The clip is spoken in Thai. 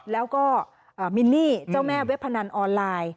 แล้วก็มินนี่เจ้าแม่เว็บพนันออนไลน์